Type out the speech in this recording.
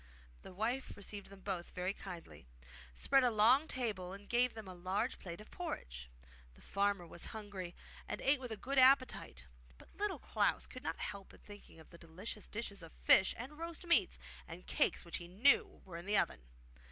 The wife received them both very kindly, spread a long table, and gave them a large plate of porridge. The farmer was hungry, and ate with a good appetite; but Little Klaus could not help thinking of the delicious dishes of fish and roast meats and cakes which he knew were in the oven.